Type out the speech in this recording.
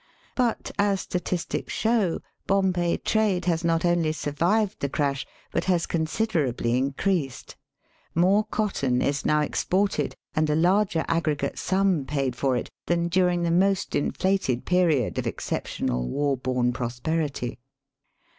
But, as statistics show, Bombay trade has not only survived the crash, but has considerably increased. More cotton is now exported, and a larger aggregate sum paid for it, than during the most inflated period of exceptional war born prosperity.